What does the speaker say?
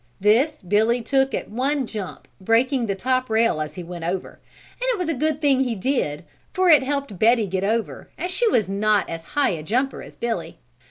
This Billy took at one jump, breaking the top rail as he went over, and it was a good thing he did for it helped Betty get over as she was not as high a jumper as Billy.